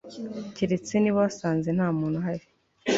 Keretse niba wasanze ntamuntu uhari